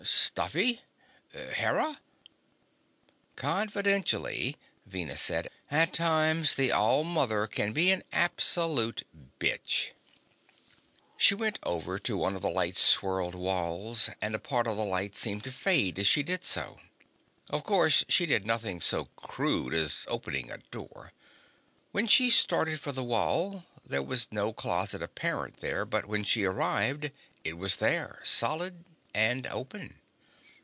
"Stuffy? Hera?" "Confidentially," Venus said, "at times, the All Mother can be an absolute bitch." She went over to one of the light swirled walls, and a part of the light seemed to fade as she did so. Of course, she did nothing so crude as opening a door. When she started for the wall there was no closet apparent there, but when she arrived it was there, solid, and open.